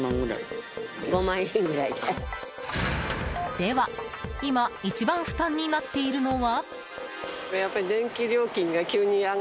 では、今一番負担になっているのは？